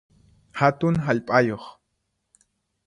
Hatun hallp'ayuq